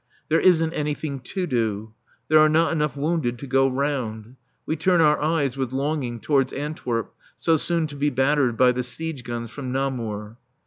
There isn't anything to do. There are not enough wounded to go round. We turn our eyes with longing towards Antwerp, so soon to be battered by the siege guns from Namur.